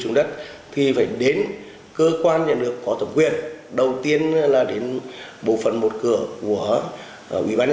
xuống đất thì phải đến cơ quan nhà nước có tổng quyền đầu tiên là đến bộ phận một cửa của ủy ban